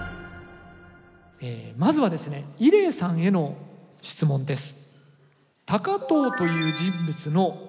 まずはですね伊礼さんへの質問です。